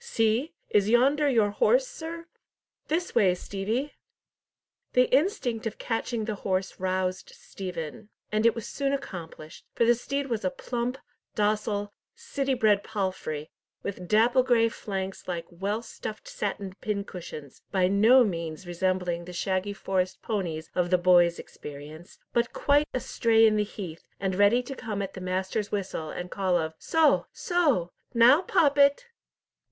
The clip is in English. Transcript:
See! Is yonder your horse, sir? This way, Stevie!" The instinct of catching the horse roused Stephen, and it was soon accomplished, for the steed was a plump, docile, city bred palfrey, with dapple grey flanks like well stuffed satin pincushions, by no means resembling the shaggy Forest ponies of the boys' experience, but quite astray in the heath, and ready to come at the master's whistle, and call of "Soh! Soh!—now Poppet!"